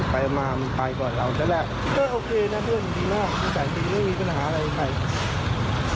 ไปก่อนเราได้แหละก็โอเคนะเพื่อนดีมากไม่มีปัญหาอะไรอีกใคร